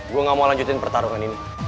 gue gak mau lanjutin pertarungan ini